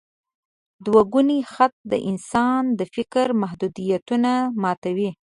دوګوني خط د انسان د فکر محدودیتونه ماتوي.